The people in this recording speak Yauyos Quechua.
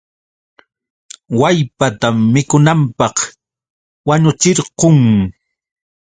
Wallpatam mikunanpaq wañuchirqun.